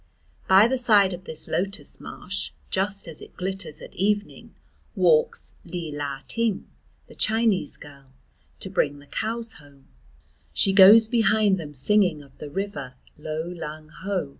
By the side of this lotus marsh, just as it glitters at evening, walks Li La Ting, the Chinese girl, to bring the cows home; she goes behind them singing of the river Lo Lang Ho.